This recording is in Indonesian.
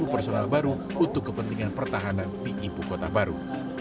empat puluh personal baru untuk kepentingan pertahanan di ibu kota baru